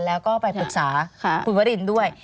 แล้วก็ไปปรึกษาคุณวรินด้วย